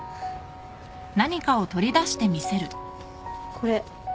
これ。